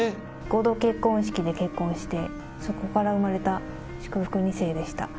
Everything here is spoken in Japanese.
合同結婚式で結婚して、そこから生まれた祝福２世でした。